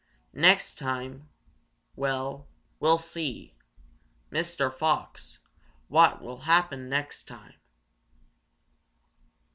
Next time well, we'll see, Mr. Fox, what will happen next time."